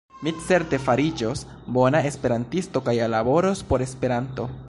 Mi certe fariĝos bona esperantisto kaj laboros por Esperanto.